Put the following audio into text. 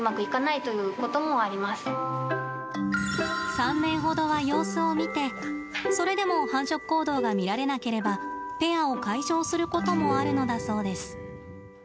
３年ほどは様子を見てそれでも繁殖行動が見られなければペアを解消することもあるのだそうです。